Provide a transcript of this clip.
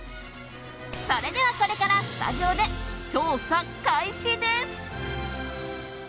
それでは、これからスタジオで調査開始です！